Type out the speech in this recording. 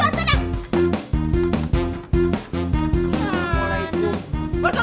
maksudnya emaknya udah berangkat